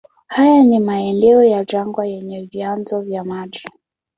Haya ni maeneo ya jangwa yenye vyanzo vya maji.